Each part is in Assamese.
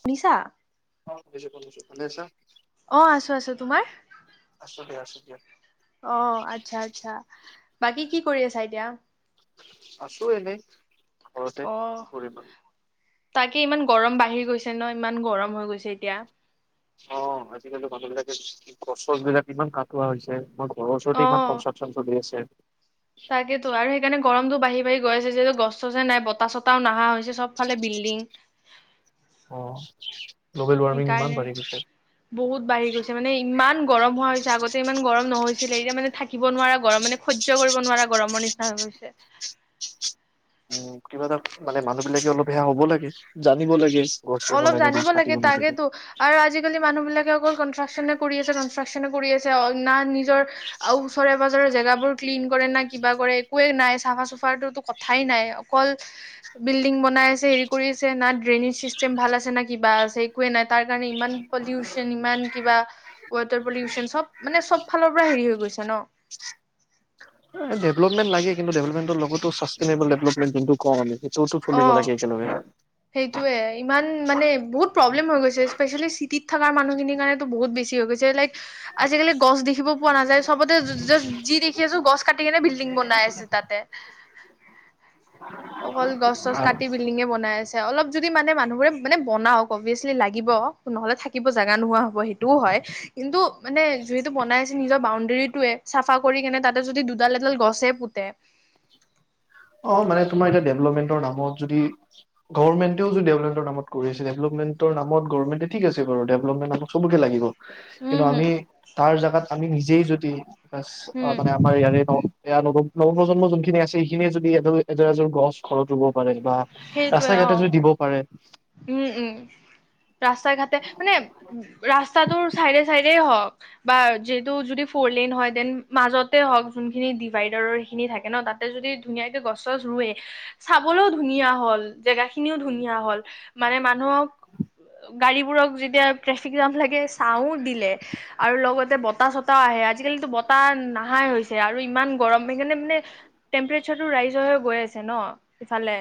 শুনিছা? অলপ পিছত ফোন কৰিছোঁ, ভালে আছা অ আছো আছো, তোমাৰ? আছো দিয়া আছো দিয়া আহ আচ্ছা আচ্ছা বাকী কি কৰি আছা এতিয়া? আছো এনেই ঘৰতে অ কি কৰিম আৰু তাকে ইমান গৰম বাঢ়ি গৈছে ন ইমান গৰম হৈ গৈছে এতিয়া অ আজিকালি মানুহ বিলাকে ফচল বিলাক ইমান কাটোৱা হৈছে মই ঘৰৰ অ ওচৰতে ইমান কচ [unintelligible] তাকেতো আৰু সেইকাৰণে গৰমটো বাঢ়ি বাঢ়ি গৈ আছে যিহেতু গছ চছে নাই বতাহ চতাহও নাহা হৈছে সবফালে বিল্ডিং অ গ্ল'বেল ৱাৰ্মিং ইমান সেইকাৰণে বাঢ়ি গৈছে বহুত বাঢ়ি গৈছে। মানে ইমান গৰম হোৱা হৈছে আগতে ইমান গৰম নহৈছিলে, এতিয়া মানে থাকিব নোৱাৰা গৰম মানে খ হ্য কৰিব নোৱাৰা গৰমৰ নিচিনা হৈ গৈছে। উম। কিবা এটা মানে মানুহ বিলাকে অলপ সেয়া হ'ব লাগে, জানিব লাগে। গছ ৰুব অলপ জানিব গছ কাটিব লাগে নালাগে তাকেতো। আৰু আজিকালি মানুহবিলাকে অকল কনষ্ট্ৰাকশ্যনে কৰি আছে, কনষ্ট্ৰাকশ্যনে কৰি আছে, না নিজৰ আৰু ওচৰে পাজৰে জেগাবোৰ ক্লিন কৰে না কিবা কৰে একোৱে নাই, চাফা চুফাৰটো ক থাই নাই। অকল বিল্ডিং বনাই আছে, হেৰি কৰি আছে, না ড্ৰেইনিচেজ চেম ভাল আছে না কিবা আছে, একোৱে নাই তাৰ কাৰণে ইমান পলিউচন ইমান কিবা, ৱাটাৰ পলিউচন চব মানে চব ফালৰ পৰা হেৰি হৈ গৈছে ন। ডেভলপমেন্ট লাগে, কিন্তু ডেভলপমেণ্ট লগতো ছাষ্টেইনেবল ডেভলপমেন্ট যোনটো ক‌ওঁ আমি তটো ফুলিব অ লাগে একেলগে। সেইটোয়ে ইমান মানে বহুত প্ৰব্লেম হৈ গৈছে, স্পেচিয়েলি চিটিত থকা মানুহখিনিৰ কাৰণেতো বহুত বেছি হৈ গৈছে। লাইক আজিকালি গছ দেখিব পোৱা নাযায়, চবতে যি দেখি আছো গছ কাটি কেনে বিল্ডিং বনাই আছো তাতে। [inaudible] অকল গছ চছ কাটি বিল্ডিঙে বনাই আছে। অলপ যদি মানে মানুহবোৰে মানে বনাওঁক, অভিয়াচলি লাগিব, নহ'লে থাকিব জাগা নোহোৱা হ'ব সে টোও হয়। কিন্তু, মানে যিহেতু বনাই আছে নিজৰ বাউণ্ডেৰীটোৱে চাফা কৰি কেনে তাতে যদি দুডাল এডাল গছে পোতে অ মানে তোমাৰ এতিয়া ডেভেলপমেণ্টৰ নামত যদি গভৰ্মেণ্টও যে ডেভলটমেণ্টৰ নামত কৰি আছে। ডেভেলপমেণ্টৰ নামত গভৰ্মেন্টে ঠিক আছে বাৰু ডেভলপমেণ্ট নামত চবকে লাগিব। উম কিন্তু হম আমি তাৰ জেগাত আমি নিজেই যদি, কাচ অ হম মানে আমাৰ ইয়াৰে ন, ইয়াৰ প্ৰজন্ম যোনখিনি আছে সেইখিনিয়ে য দি এটো এযোৰ এযোৰ গছ ঘৰত পাৰে বা ৰাস্তা সেইটোৱে অ। ঘাটে যদি দিব পাৰে উম, উম। ৰাস্তাই ঘাটে মানে ৰাস্তাটোৰ চাইডে চাইড হওক। বা যিহেতু যদি ফৰলেন হয়, দেন মাজতে হওক যোনখিনি ডিভাইডাৰৰ সেইখিনি থাকে ন তাত তাতে যদি ধুনীয়াকে গছ গছ ৰুৱে, চাবলৈও ধুনীয়া হ'ল। জেগা খিনিও ধুনীয়া হ'ল। মানে মানুহক গাড়ীবোৰক যেতিয়া ট্ৰেফিক জাম লাগে চাঁও দিলে। আৰু লগতে বতাহ চতাহ আহে। আজিকালো বতাহ নাহাই হৈছে। আৰু ইমান গৰম সেইকাৰণে মানে টেম্প্ৰেচাৰটো ৰাইজৰহে গৈ আছে ন ইফালে।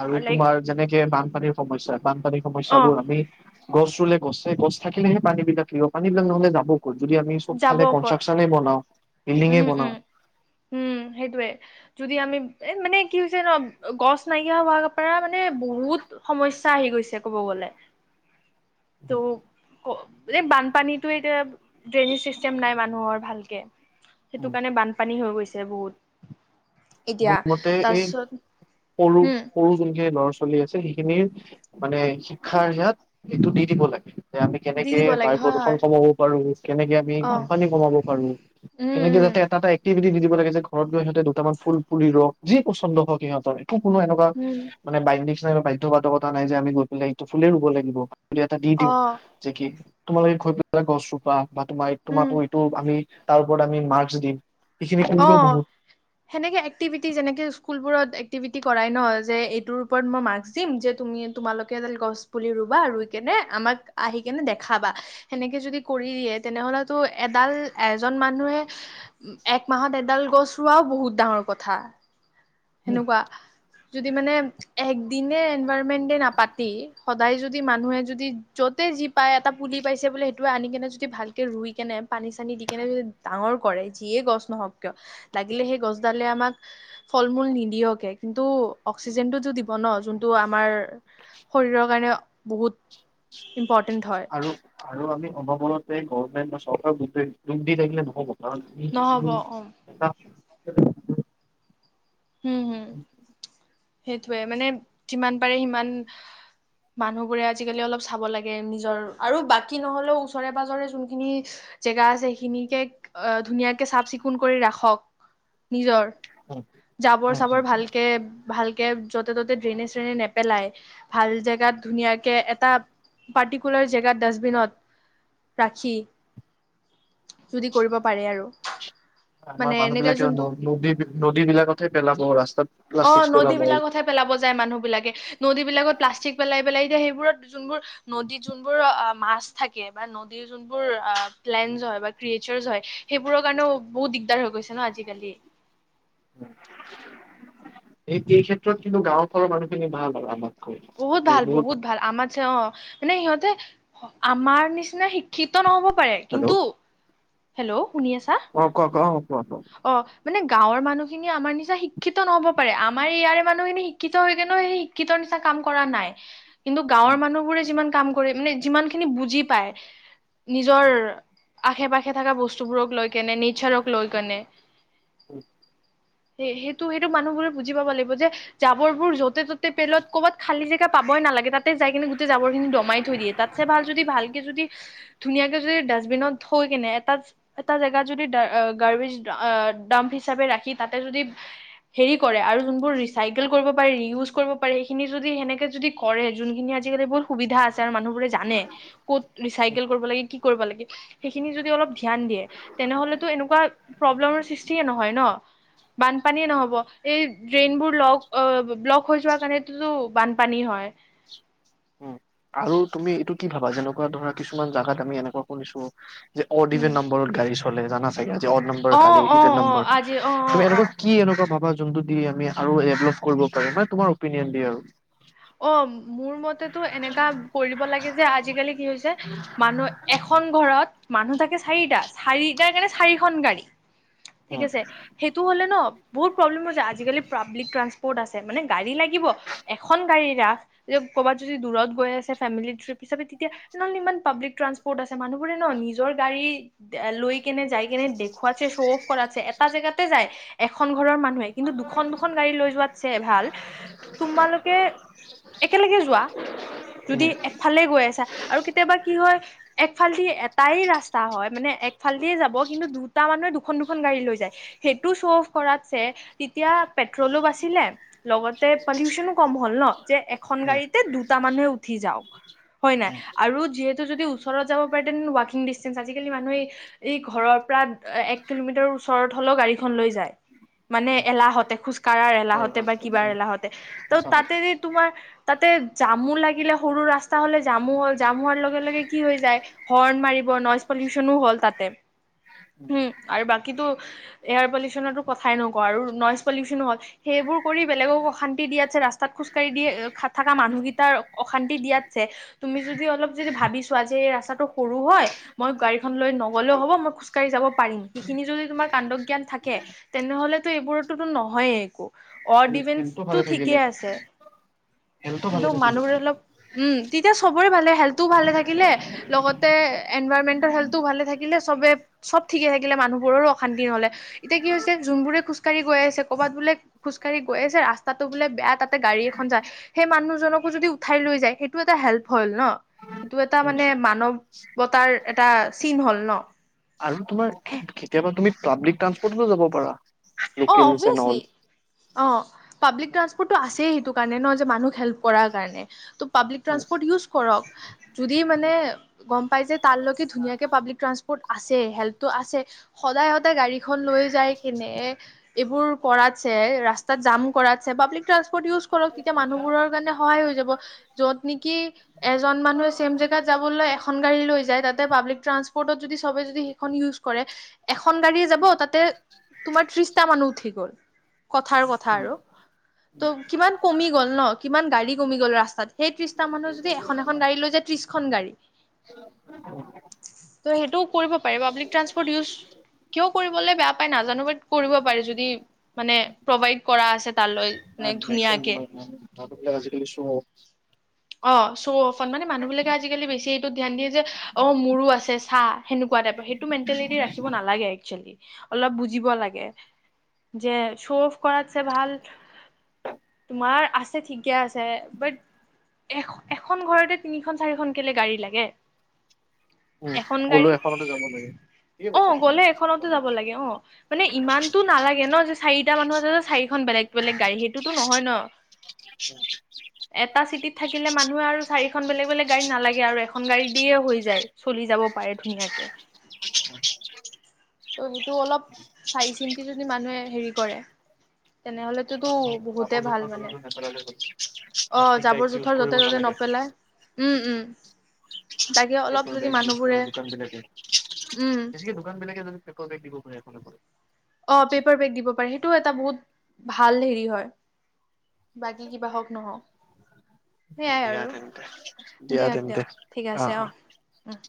আৰু লাইক তোমাৰ যেনেকে বানপানীৰ সমস্যা, বানপানীৰ অ সমস্যাবোৰ আমি গছ ৰুলে গছে গছ থাকিলেহে পানী বিলাক থাকিব, পানী বিলাক নহ'লে যাব যদি আমি চব যাব ফালে ক'ত কংস্ত্ৰাকচনে বনাওঁ, বিল্ডিঙে উম বনাওঁ উম উম সেইটোৱে। যদি আমি এ মানে কি হৈছে ন গছ নাইকিয়া হোৱা পৰা মানে বহুত সমস্যা আহি গৈছে ক'ব গ'লে। [inaudible] ত এই বানপানীটো এতিয়া ড্ৰেইনিজ চিষ্টেম নাই মানুহৰ ভালকে। সেইটো কাৰণে বানপানী হৈ গৈছে বহুত। মোৰ এতিয়া মতে এই তাৰপিছত সৰু উম সৰু যোনকে গছ চলি আছে সেইখিনিৰ, মানে শিক্ষাৰ ইয়াত এইটো দি দিব লাগে। যে আমি দি কেনেকে দিব লাগে বায়ু হয় হয় প্ৰদূষন কমাব পাৰো, কেনেকে আমি অ বানপানী কমাব পাৰো। উম কেনেকে উম যাতে এটা এটা গতি বিধি দিব লাগে যে গৈ সিহঁতে দুটামান ফুল পুলি ৰোৱক, যি পচন্দ হওক সিহঁতৰ। কোনো এনেকুৱা উম মানে বাইডি নাই বাধ্য বাধকতা নাই যে আমি গৈ পেলাই এইতো ফুলেই ৰুব লাগিব। বুলি এটা দি অ দিওঁ যে কি তোমালোকে গৈ পেলাই গছ ৰোবা বা তোমাৰ উম তোমাকো এইটো আমি তাৰ ওপৰত আমি মাৰ্ক দিম সেইখিনি কৰিলেও অ বহুত। সেনেকে এক্টিভিটি যেনেকে স্কুলবোৰত এক্টিভিটি কৰাই ন যে এইটোৰ ওপৰত মই মাৰ্ক দিম যে তুমি তোমালোকে এডাল গছ পুলি ৰুবা ৰুই কেনে আমাক আহি কেনে দেখাবা। সেনেকে যদি কৰি দিয়ে তেনেহলেতো এডাল এজন মানুহে এক মাহত এডাল গছ ৰোৱাও বহুত ডাঙৰ কথা সেনেকুৱা। যদি মানে একদিনে এনভাইৰনমেন্টে ডে নাপাতি সদায় যদি মানুহে যদি যতে যি পাই এটা পুলি পাইছে বোলে সেইটো আনি কেনে যদি ভালকে ৰুই কেনে পানী চানি দি কেনে যদি ডাঙৰ কৰে। যিয়ে গছ নহওক কিয় লাগিলে সেই গছডালে আমাক ফল মূল নিদিয়কে কিন্তু অক্সিজেনটোতো দিব ন যোনটো আমাৰ শৰীৰৰ কাৰণে বহুত ইম্পৰ্টে আৰু আৰু আমি অনবৰতে গভমেণ্ট বা চৰকাৰ ক দোষ দি থাকিলে নহ'ব। [unintelligible] হম হম [inaudible] সেইটোৱে মানে যিমান পাৰে সিমান মানুহবোৰে আজিকালি অলপ চাব লাগে নিজৰ আৰু বাকী নহলেও ওচৰে পাজৰে যোনখিনি জেগা আছে সেইখিনিকে আহ ধুনীয়াকে চাফ চিকুণ কৰি ৰাখক নিজৰ। [inaudible] জাবৰ চাবৰ ভালকে ভালকে য'তে ত'তে ড্ৰেনেজ চ্ৰেনেজ নেপেলাই ভাল জেগাত ধুনীয়াকে এটা এটা পাৰ্টিকুলাৰ জেগাত ডাষ্টবিনত ৰাখি যদি কৰিব পাৰে আৰু আমাৰ মানে মানুহ এনেকা বিলাকে যোনটো নদী নদী বিলাকতহে পেলাব ৰাস্তাত অ প্লাষ্টিক নদী পেলাব বিলাকতহে পেলাব যায় মানুহ বিলাকে নদী বিলাকত প্লাষ্টিক পেলাই পেলাই এতিয়া সেইবোৰত যোনবোৰ নদী যোনবোৰ মাছ থাকে বা নদীৰ যোনোৰ প্লেন হয় বা ক্ৰেচাৰ হয় সেইবোৰৰ কাৰণও বহুত দিগদাৰ হৈ গৈছে ন আজিকালি স এই ক্ষেত্ৰত কিন্তু গাঁওৰ ফালৰ মানুহখিনি ভাল আৰু আমাৰ বহুত ভাল বহুত- ভাল আমাৰছে অ মানে সিহঁতে আমাৰ নিচিনা শিক্ষিত নহ'ব পাৰে হেল্ল' কিন্তু হেল্ল' শুনি আছা। অ কোৱা কোৱা অ কোৱা কোৱা অ মানে গাঁৱৰ মানুহখিনি আৰু নিশ্চিত নহব পাৰে আমাৰ ইয়াৰে মানুহখিনি শিক্ষিত হৈ কোনেও সেই শিক্ষিত নিচনা কাম কৰা নাই কিন্তু গাঁৱৰ মানুহ বোৰে যিমান ক যিমান খিন বুজি পাই নিজৰ পাশে পাখে থকা বস্তুখিনি লৈ কেনে নিচাৰক লৈ কেনে সেই সেইটো সেইটো মানুহবোৰে বুজি পাব লাগিব যে জাবৰবোৰ য'তে ত'তে পেলত খালি জেগা পাবই নালাগে তাতে যাই কিনে গোটেই জাবৰ খিনি দমাই থৈ দিয়ে তাত চ ভাল যদি ভালকে যদি ধুনীয়াকে যদি ডাষ্টবিনত থৈ কেনে এটা এটা জেগাত যদি গাৰ্বজ ডাম্প হিচাপে ৰাখি তাতে যদি হেৰি কৰে আৰু যোনবোৰ ৰিচাইকেল কৰিব পাৰে ৰিউজ কৰিব পাৰে খিনি যদি সেনেকে যদি কৰে যোনখিনি আজিকাল এইবোৰ, সুবিধা আছে মানু্হবোৰে জানে কত ৰুচিকেল কৰিব লাগে কৰিব লাগে সেইখিনি যদি অলপ ধ্যান দিয়ে তেনেহ'লেতো এনেকুৱা প্ৰব্লেমৰ সৃষ্টিয়ে নহয় ন! বানপানীয়ে নহ'ব, এই ড্ৰেইন বোৰ লক অ, ব্লক হৈ যোৱা কাৰণে তো বানপানী হয়। উম, আৰু তুমি এইটো কি ভাবা, যেনেকুৱা ধৰা কিছুমান জেগাত আমি এনেকুৱা শুনিছো যে, অড উম ইভেন্ট নাম্বৰত গাড়ী চলে, জানা চাগে, যে অড নম্বৰ অ কালি অ ইভেন্ট অ নাম্বৰ, আজি অ অ তুমি অ এনেকুৱা কি এনেকুৱা ভাবা যোনটো দি আমি আৰু ডেভলপ কৰিব পাৰোঁ মানে তোমাৰ অপিনিয়ন দি আৰু! অ, মোৰ মতেতো এনেকা কৰিব লাগে যে, আজিকালি কি হৈছে মানুহ এখন ঘৰত মানুহ থাকে চাৰিটা, চাৰিটাৰ কাৰণে চাৰিখন গাড়ী। ঠিক উম, আছে। সেইটো হ'লে ন, বহুত প্ৰব্লেম হৈছে, আজিকালি পাব্লিক ট্ৰানসপৰ্ট আছে, মানে গাড়ী লাগিব, এখ এখন গাড়ী ৰাখ, যে ক'ৰবাত যদি দূৰত গৈ আছে ফেমিলি ট্ৰিপ হিচাপে তেতিয়া নহ'লে ইমান পাব্লিক ট্ৰান্সপৰ্ট আছে, মানুহবোৰে ন নিজৰ গাড়ী লৈ কেনে, যাই কেনে, দেখুৱাছে, শ্ব' অফ কৰাছে, এটা জেগাতে যায়, এখন ঘৰৰ মানুহে কিন্তু দুখন-দুখন গাড়ী লৈ যোৱাত যে ভাল, তোমালোক লোকে একেলগে যোৱা, যদি উম, এ ফালে গৈ আছা, আৰু কেতিয়াবা কি হয়, একফালদি এটাই ৰাস্তা হয়, মানে এক ফালদিয়ে যাব, কিন্তু দুটা মানুহে দুখন-দুখন গাড়ী লৈ যায়। সেইটো শ্ব' অফ কৰাতছে, তেতিয়া পেট্ৰলো বাচিলে, লগতে পলিউচনো- কম হ'ল ন, যে এখন উম, গাড়ীতে দুটা মানুহে উঠি যাওক, হয় নাই! উম, আৰু যিহেতু তো ওচৰত যাব পাৰে তেন্তে ৱাকিং ডিষ্টেঞ্চ, আজিকালি মানুহে এই ঘৰৰ পৰা এক কিলোমিটাৰ ওচৰত হ'লেও গাড়ীখন লৈ যায়। মানে উম, এলাহতে, খোজ কঢ়াৰ হয়, এলাহতে হয়, বা কিবা একদম এলাহতে ত', সঁচা কথা। তাতে তোমাৰ তাতে জামু লাগিলে, সৰু ৰাস্তা হলে জামু হ'ল, জাম হোৱাৰ লগে-লগে কি হৈ যায়, হৰ্ণ মাৰিব, নইজ পলিউচনো হ'ল তাতে। হুম, আৰু বাকীটো এয়াৰ পলিউচনতো কথাই নকওঁ, আৰু নইজ পলিউচনো হ'ল, সেইবোৰ কৰি বেলেগক অশান্তি দিয়াত ছে ৰাস্তাত খোজকাঢ়ি দিয় থকা মানুহকেইটাৰ অশান্তি দিয়াতছে তুমি যদি অলপ যদি ভাবি চোৱা, যে এই ৰাস্তাটো সৰু হয় মই গাড়ীখন ললৈ নগ'লেও হ'ব, মই খোজকাঢ়ি যাব পাৰিম। সেইখিনি যদি তোমাৰ কাণ্ড-জ্ঞান থাকে তেনেহ'লেতো এইবোৰতোতো নহয়ে একো, অড হেল- হেল্থটো ইভেন্সটো ভালে ঠিক কে থাকিলে, আছে, হেল্থটো ভালে কিন্তু থাকিলে। মানুহবোৰে অলপ উম, তেতিয়া চবৰে ভালে, হেল্থও ভালে থাকিলে লগতে এনভাইৰমেন্টৰ হেল্থো ভালে থাকিলে। চবেই চব ঠিকে থাকিলে, মানুহবোৰৰো অশান্তি নহ'লে। এতিয়া কি হৈছে, যোনবোৰে খোজকাঢ়ি গৈ আছে, ক'ৰবাত বোলে খোজকাঢ়ি গৈ আছে, ৰাস্তাটো বোলে বেয়া, তাতে গাড়ী এখন যায়, সেই মানুহজনকো যদি উঠাই লৈ যায়, সেইটো এটা হেল্প হ'ল ন। সেইটো এটা উম, মানে মানৱতাৰ এটা চিন হ'ল ন। আৰু তোমাৰ কেতিয়াবা তুমি পাব্লিক ট্ৰানসপৰ্টতো যাব পাৰা। অ, local and all. Obviously. O, public ট্ৰা্সপৰ্টটো আছেই সেইটো কাৰণে ন, যে মানুহক হেল্প কৰাৰ কাৰণে, ত পাব্লিক উম, ট্ৰা্সপৰ্ট ইউজ কৰক। যদি মানে গম পাই যে, তালৈকে ধুনীয়াকে পাব্লিক ট্ৰাসপৰ্ট আছে, হেল্পটো আছে সদায়-সদায় গাড়ীখন লৈ যায় কেনে এইবোৰ কৰাতছে, ৰাস্তাত জাম কৰাতছে, পাব্লিক ট্ৰান্সপৰ্ট ইউজ কৰক। এতিয়া মানুহবোৰৰ কাৰণে সহায় হৈ যাব। য'ত নেকি এজন মানুহে ছেম জেগাত যাবলৈ এখন গাড়ী লৈ যায়, তাতে পাবলিক ট্ৰান্সপৰ্টত যদি চবে যদি এ খন ইউছ কৰে, এখন গাড়ীয়েই যাব তাতে তোমাৰ ত্ৰিশ টা মানুহ উঠি গ'ল কথাৰ, কথা আৰু ত' কিমান কমি গ'ল ন, কিমান গাড়ী কমি গ'ল ৰাস্তাত সেই ত্ৰিশটা মানুহ যদি এখন এখন গাড়ী লৈ যায় ত্ৰিশ খন গাড়ী [unintelligible] ত' সেইটো কৰিব পাৰিব আপুনি ট্ৰানসপৰ্ট ইউজ কিয় কৰিবলৈ বেয়া পায় নাজানো বাদ কৰিব পাৰি যদি মানে প্ৰভাইড কৰা আছে তালৈ মানে ধুনীয়াকে [unintelligible] অ' চ' অফট, মানে মানুহ বিলাকে আজিকালি বেছি এইটো ধ্যান দিয়ে যে অ' মোৰো আছে চাহ সেনেকুৱা টাইপৰ সেই টো মেন্তেলিতী ৰাখিব নালাগে একচুৱেলি অলপ বুজিব লাগে যে চ' অফ কৰাতছে ভাল তোমাৰ আছে ঠিকে আছে বাট এ' এখন ঘৰতে তিনিখন চাৰিখন কেলে গাড়ী লাগে? উম, এখন গাড়ী, গ'লেও এখনতে যাব লাগে। ঠিকে কৈছা অ' তুমি। গ'লে এখনতে যাব লাগে অ' মানে ইমানতো নালাগে ন' যে চাৰিটা মানুহৰ যে চাৰিখন বেলেগ বেলেগ গাড়ী সেইটোতো নহয় ন [inaudible] এটা চিটিত থাকিলে মানুহে আৰু চাৰিখন বেলেগ, বেলেগ গাড়ী নালাগে আৰু, এখন গাড়ী দিয়ে হৈ যায় চলি যাব পাৰে ধুনীয়াকে [inaudible] [unintelligible] অলপ চাই চিন্তি যদি মানুহে হেৰি কৰে তেনেহলেততো বহুত ধুই থোৱা জোলাটো নাপেলালেই হ'ল, অ প্লাষ্টিক বেগ জাবৰ ইউচ যতে জোথৰ ত'তে নপেলাই উ'ম উ'ম তাকে অলপ পেপাৰ যদি বেগ ইউচ মানুহবোৰে কৰক দোকান বিলাকে উম বেছিকে দোকান বিলাকে যদি পেপাৰ বেগ দিব পাৰে এফ অ' পেপাৰ বেগ দিব পাৰে, সেইটো এটা বহুত ভাল হেৰি হয় বাকী কিবা হওক নহওক পৰা। সয়াই দিয়া আৰু তেন্তে দিয়া এতিয়া ঠিক আছে অ' উম